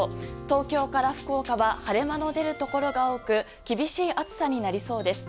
東京から福岡は晴れ間の出るところが多く厳しい暑さになりそうです。